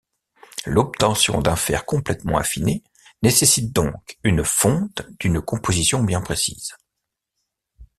L'obtention d'un fer complètement affiné nécessite donc une fonte d'une composition bien précise.